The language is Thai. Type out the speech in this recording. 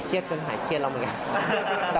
เครียดจนหายเครียดเราเหมือนกัน